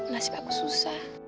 masih bakal susah